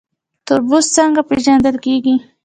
تربوز څنګه پیژندل کیږي؟